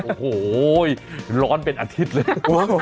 โอ้โหร้อนเป็นอาทิตย์เลย